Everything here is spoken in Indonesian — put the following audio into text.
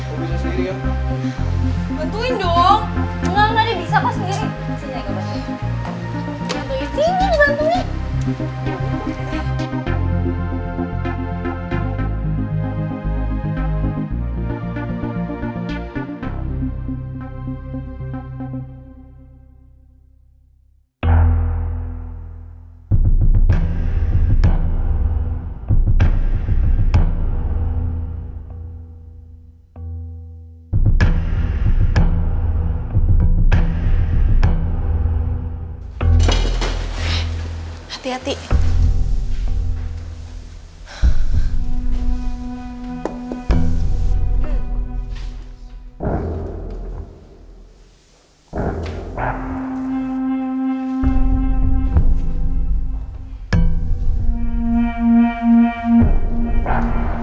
cuma terowongan biasa